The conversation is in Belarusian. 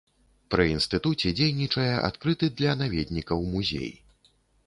Пры інстытуце дзейнічае адкрыты для наведнікаў музей.